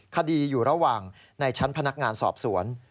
คดีอยู่ระหว่างในชั้นพนักงานสอบสวน